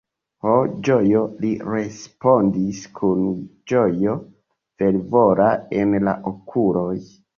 Ha, ĝojo! li respondis kun ĝojo fervora en la okuloj.